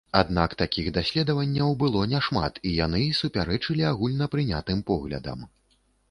Аднак такіх даследаванняў было няшмат, і яны супярэчылі агульнапрынятым поглядам.